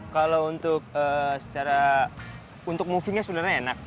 kalau untuk secara untuk movingnya sebenarnya enak